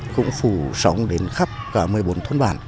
cũng phù sống đến khắp cả một mươi bốn thôn bản